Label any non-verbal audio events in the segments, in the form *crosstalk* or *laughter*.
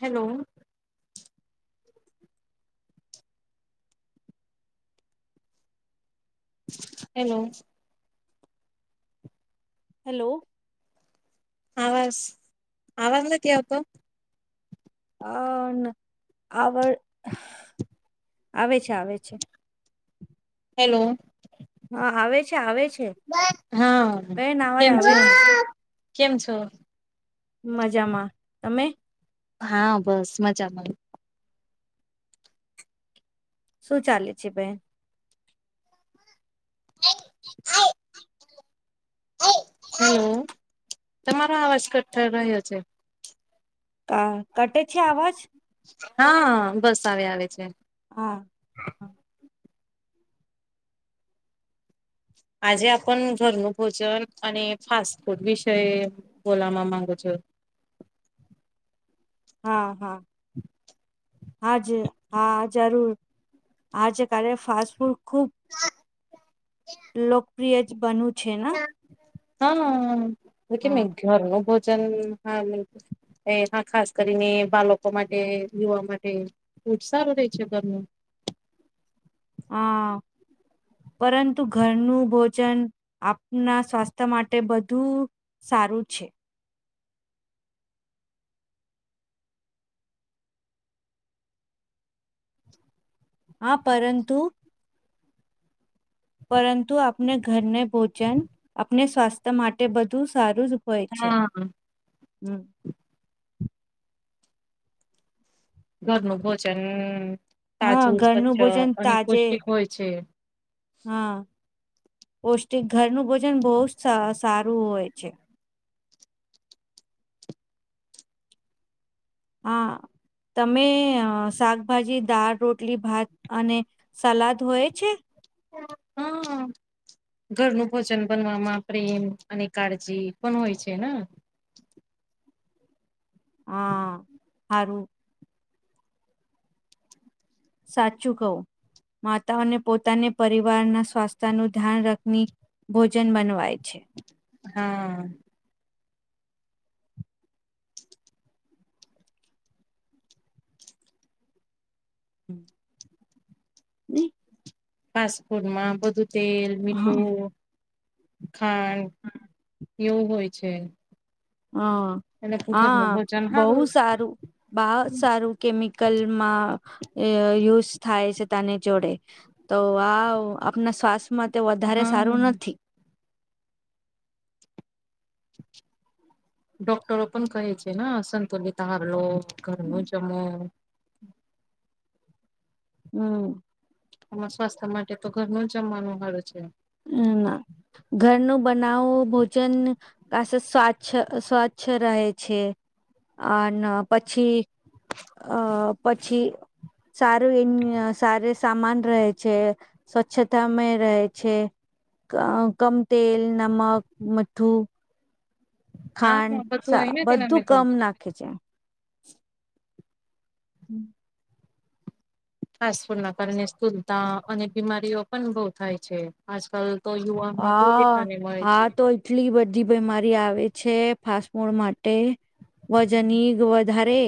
Hello, hello, hello, આવાજ આવાજ નથી આવતો, અ આવે છે, આવે છે, હેલો, હા આવે છે, આવે છે, હા બેન અવાજ કેમ આવે છો, છે કેમ છો. મજામાં તમે. હા બસ મજામાં. શું ચાલે છે, બહેન. આઈ, *inaudible* અઈ હું તમારો આવાજ કટ થઇ રહ્યો છે, કા કટે છે, આવાજ. હા બસ આવે આવે છે, હા. હા આજે આપનું ઘરનું ભોજન અને ફાસ્ટફૂડ વિષય. બોલાવા માંગુ છો. હા, હા. હ *inaudible* હાજે હા જરૂર આજે કાલે ફાસ્ટફૂડ ખૂબ. હા, *inaudible* લોકપ્રિય જ બનવું છે, ને હા કેમ ઘરનું ભોજન હા. એહા ખાસ કરીને બા લોકો માટે યુવા માટે બહુજ સારું રહે છે, ઘરનું. હા *inaudible* પરંતુ ઘરનું ભોજન આપણા સ્વાસ્થ્ય માટે બધું, સારું છે *unintelligible* *inaudible* હા પરંતુ. પરંતુ આપણે ઘરને ભોજન આપને સ્વાસ્થ્ય માટે બધું સારુંજ. તોય છે, હા હું ઘરનું ભોજન હા તાજુ, ઘરનું સ્વચ્છ ભોજન અને તાજે પૌષ્ટિક હોય છે. હા પૌષ્ટિક ઘરનું ભોજન બહુ સારું હોય છે. હા તમે શાકભાજી, દાળ, રોટી. રોટલી, ભાત અને સલાડ હોય છે. હા હા. ઘરનું ભોજન બનવામાં પ્રેમ અને કાળજી પણ હોય છે ને. હા સારું. સાચું કહું માતા અને પોતાને પરિવારના સ્વાસ્થ્ય નું ધ્યાન રાખની. ભોજન બનનવાય છે. હા. હમ બ *inaudible* *unintelligible* ફાસ્ટફૂડમાં બધું તેલ, હા મીઠું, ખાંડ, એવું હોય છે. હા એટલે ઘરનું હા ભોજન બહુ હારું સારું. બહુ સારું કેમિકલમાં યુઝ થાય છે તની જોડે. તો આ આપણા સ્વાસ્થ્યમાં તે વધારે હા સારું નથી. ડોક્ટરો પણ કહે છે ને સંતોલિત આહાર લો ઘરનું જમો હમ્મ એમાં સ્વાસ્થ્ય માટે તો ઘરનું જમવાનું હારું છે. હમ ઘર નુ બનાવો ભોજન ખાસુ સ્વચ્છ સ્વચ્છ રહે છે અને પછી અ પછી સારું સામાન રહે છે, સ્વચ્છતામાં રહે છે. અ કમ તેલ, નમક, મીઠ્ઠું હા બધું આઈ ખાંડ ને તેના બધું મેં તો કમ નાખે છે. હમ ફાસ્ટ ફૂડ ના કારણે સ્થૂળતા અને બીમારીઓ પણ બહ થાય છે. આજકાલ તો યુવાનમાં પોતે હા તને મળે છે. હા તો એટલી બધી બીમારી આવે છે ફાસ્ટફૂડ માટે વજન ધારે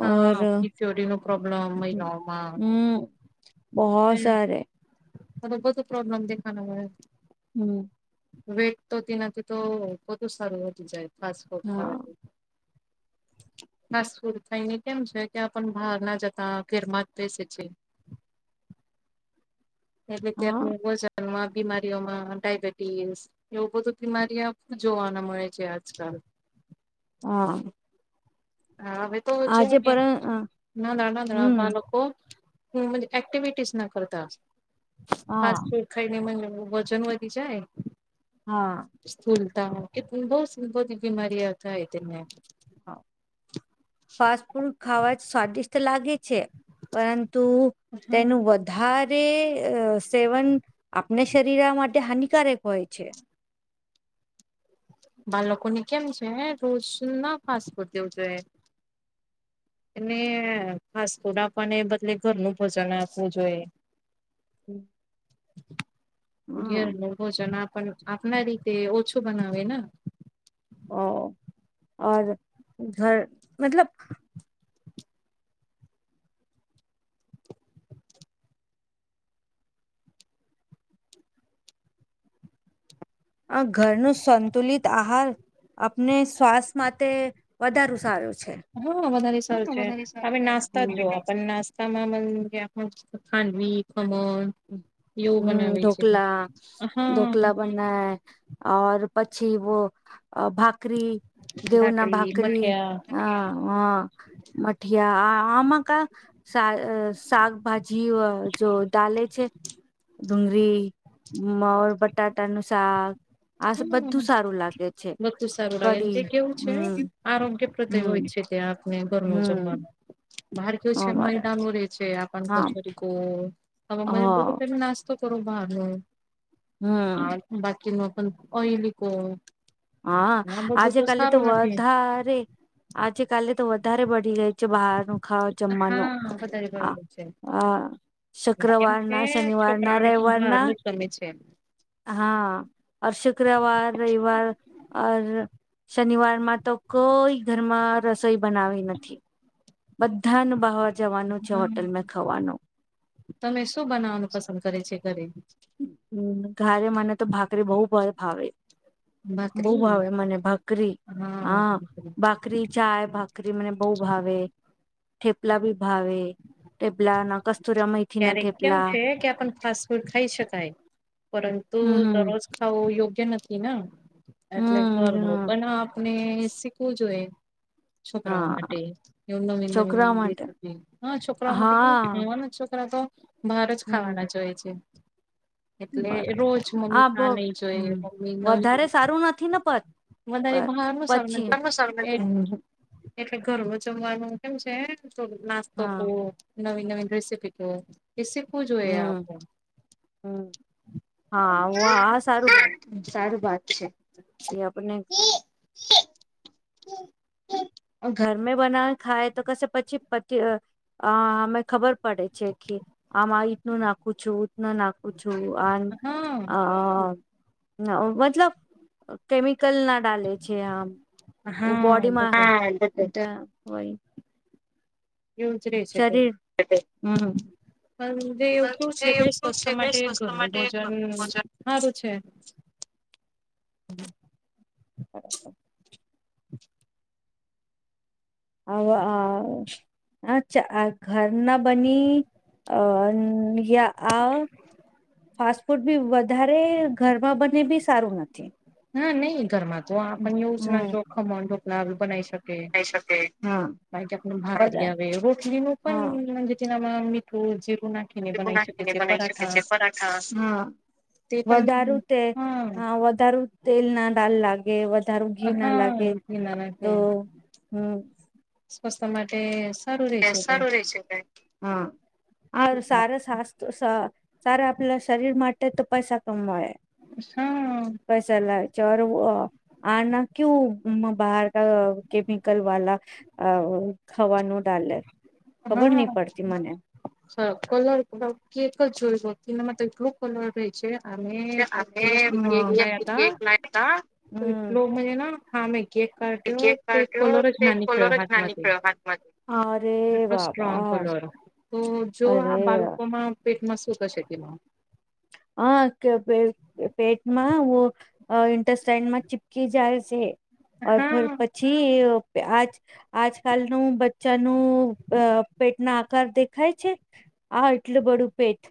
હા પીસીઓડીનો પ્રોબ્લેમ મહિલાઓમાં હમ્મ બહુ સારે તો બધું પ્રોબ્લેમ દેખાનો હોય હમ્મ વેટ તો તેનાથી તો બધું સારું વધી જાય ફાસ્ટફૂડ હા ખાવાથી નાસર થાયને કેમ છે કે આપ બહાર ના જતા ઘેરમાં જ બેસે છે. એટ ત આપ હા વજનમાં બીમારીઓમાં ડાયબિટીસ એવું બધું બીમારી આપને જોવા મળે છે આજકાલ હા હા હવે તો જો આજે ને પર નાના નાના હમ બાળકો હું એક્ટિવિટીઝ નથી કરતા હા ફાસ્ટફુડ ખાઈને વજન વધી જાય હા સ્થૂલતા બહુ બધી બીમારી આવુ થાય તેમને હા ફાસ્ટફૂડ ખાવા જ સ્વાદિષ્ટ લાગે છે પરંતુ તેનું વ વધારે સેવન આપણા શરીર માટે હાનિકારક હોય છે. બાળકો ને કેમ છે રોજ ના ફાસ્ટફૂડ દેવું જોઈએ એને ફાસ્ટફૂડ આપવાને એ બદલે ઘરનું ભોજન આપવું જોઈએ. ઘેર હમ નું. ભોજન આપ આપના રીતે ઓછું બનાવે ને ઓ ઘર મતલબ આ ઘરનું સંતુલિત આહાર આપને શ્વાસ માટે વધારું સારું છે. હા વધારે સારું હા છે વધારે સારું આપમે નાસ્તા જ જોઓ છે. પણ નાસ્ત તમામામન ખાનવી કમલ હમ ઢોકલા હા ઢોકલા પણ હર પછી વ ભાકરી દેવના ભાકરી હ હ મઠિયા આ આમ કા સા શકભાજી જો દાલે છે ડુંગળીર બટાટાનું શાક આ હમ બધું સારું લાગે છે વધુ સારું લાગે અને કડી તે કેવું છે હમ્મ આરોગ્ય પ્રદય હોય છે ત્યાં આપને ઘરનું હમ જમવાનું બાર કેયો છે અમારે મહદાનો રે છે આપણ હા કચોરી ક તમે મ બધું હા પેમે નાસ્તો કરો ભનો હ હમ બાકીમાં પણ ઓયલી કો હા આ બધું આજે કાલે તો સારું નથી વધારે આજે કાલે તો વધારે બડી ગઈ છે બહારનું હા જમવાનો હા વધારે આ બરોબર છે શુક્રવારના શનિવારના રવિવારના સમમીચયન *unintelligible* હા શુક્રવાર રવિવાર શનિવાર માં તો કોઈ ઘરમાં રસોઈ બનાવી નથી. બધાનું બહાર જવાનું છે હા હોટેલમાં ખાવાનું તમે શું બનાવવાનું પસંદ કરે છે ઘરે હ ઘરે મને તો ભાખરીબહુ બહુ ભાવે- બહ ભાખરી ભાવે મને ભાખરી હા બા ભાખરી ચાય ભાખરી મને બહ ભાવે થે પલા બી ભાવે ઠેપલા ના કસ્તુર મૈથી ના ક્યારેક કેમ ઠેપલા છે કે આપ ફસ કો ખાઈ શકાય પરંતુ હમ દરરોજ ખાવુ યોગ્ય નથી ને એટલે હમ ઘરમાં હમ પણ આપને શીખવું જોઈએ. છોકરાઓ હા માટે એવું છોકરા માટે નવી હા છોકરાઓ માટે *unintelligible* હા છોકરા તો બહાર જ હમ ખાવાના જ હોય છે. એટલે બરાબર રોજ મમ્મી હા બ ના નહી જોઈ હમ મમ્મી નવી વધારે સારું નથી ને પત વધારે બહારનું સર પછી નથી એ એટલે ઘરમાં જમવાનું કેમ છે નાસ્તો હા કવો નવી નવીન રેસીપી તો એ શીખવું જોઈએ આપ. હમ હમ હા આ સારું સારું વાત છે એ આપને છે. હમ ઘરમે બનાવ ખાય તો કશે પછી પ અમે ખબર પડે છે કે આમ નું નાખું છુંનું નાખું છું. હા *unintelligible* અ મતલબ કેમિકલ ના ડલેે છે આમ *unintelligible* હા બડી બધું મા એ હોય *unintelligible* યોજ ર છે તે શરીર *unintelligible* હમ હ *unintelligible* જે એવું કેવું છે કે સ્વસ્થ છે કે માટે સ્વસ્થ ઘરનું માટે ભોજન ભોજન સારું છે. હમ *inaudible* *inaudible* *inaudible* હ હ *unintelligible* અચ્છા ઘરના બની અ *unintelligible* આ ફાસ્ટ ફૂડ બી વધારે ઘરમાં બને બી સારું નથી નાનહી ઘરમાં તો આપ એવું જ ના હમ જોખમકલા બનાવી શકે હા કેબાકી આપને ભાકરી બધા આવે રોટલી નું હા. પણ *unintelligible* મિત્રું જીરું ના એવું નાખીને બનાવી શકે છે પરાઠા તે *unintelligible* વધારું પણ તે હા વધારુ તેલ ના ડાલ લાગે *unintelligible* કે વધાર ઘી ના હા લાગે ના તો હમ *unintelligible* સ્વસ્તા માટે *unintelligible* *unintelligible* તે. સારા આપલા શરીર માટે તો પૈસા કમાવાે *unintelligible* *unintelligible* પૈસાલા ચરવું *unintelligible* આના ક્યુ બહાર ક કેમિકલ વાલ અ ખાવાનું *unintelligible* લલે ખબર નહ પડતી મને *unintelligible* સર કલર કેટલ જ જોય શ એના માટે *unintelligible* અમે હતયા થી કેક લાયા તા ત્રીફલો મે હામે. કેક કાટયો કેક તે કલર જ ના નિકળ્યો હાથમાં થી. હા. એટલો સ્ટ્રોંગ કલર તો જો આ અરે બાળકોમાં પેટમાં શું થશે તેમાં હા કે પેટ પેટમાં વો. અ ઇન્ટરસ્ટેન્ડમાં ચીપકી જાય છે, ઔર ફિર હા પછી અ આજ આજકાલનું બચ્ચાનું અ પેટના આકાર દેખાય છે. આ એટલું બડું પેટ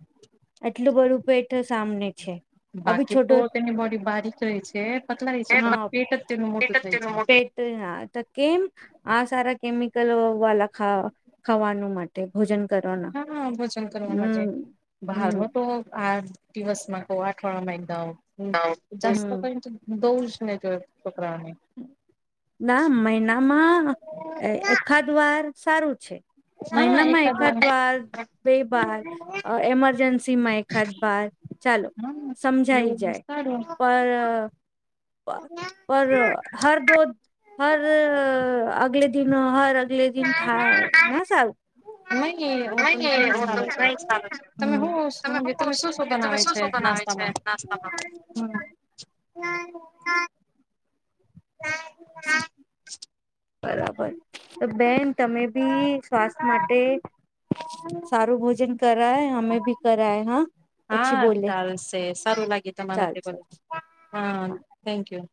એટલું બડું પેટ સામને છે. આવી બાકી તો છોટો તેની બોડી બારીક રે છે પતલાય છે પણ પેટ જ તેનું મોટું થાય છે. તના ત કેમ આ સારા કેમિકલ વાલા ખા ખાવાનું મલે. તે ભોજન. કરવાના હા ભોજન કરવા માટે હમ બહાર હમ તો આજ. દિવસમાં કો આઠવાડમાં એક તો હું જાસ્તો કરી. હમ દઉ જને જો છોકરાને ના મહિનામાં એ એકખાદ વાર સારું છે. મહિના માં એકાદ વાર બે બાર અ એમરજન્સી માં એકાથ બાર ચાલો હા સમજાઈ એવું જાય. સારું પર પર હર દો. હર અગલે દિન હર અગલે દિન થ હ સાહેબ. *unintelligible* નહી હ નહી સારું નહી સારું છે તમે શું તમે શું શું બનાવે છે નાસ્તામાં નાસ્માં હમ. *unintelligible* *unintelligible* *unintelligible* બરાબર તો બેન તમે બી સ્વાસ્થ્ય માટે સારું ભોજન કરાય અમે ભી કરાય હા. પછી હા બોલે ચાલશે સારું લાગે તમારા તે બ ચાલશે હ હા. Thank you.